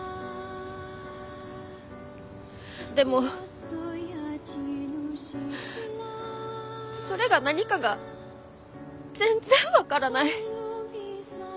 でもそれが何かが全然分からない。